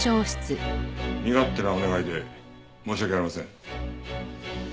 身勝手なお願いで申し訳ありません。